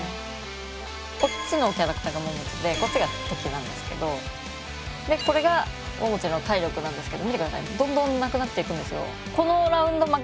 こっちのキャラクターがももちでこっちが敵なんですけどこれがももちの体力なんですけど見て下さいどんどんなくなっていくんですよ。